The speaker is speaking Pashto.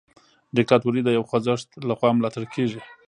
دیکتاتوري د یو خوځښت لخوا ملاتړ کیږي.